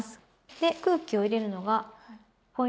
で空気を入れるのがポイントになります。